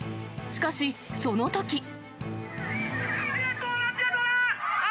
しかし、そのとき。